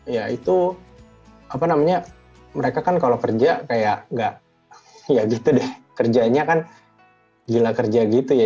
ya itu apa namanya mereka kan kalau kerja kayak nggak ya gitu deh kerjanya kan gila kerja gitu ya